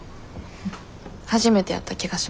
初めてやった気がします。